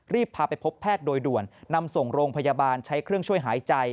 พาไปพบแพทย์โดยด่วนนำส่งโรงพยาบาลใช้เครื่องช่วยหายใจ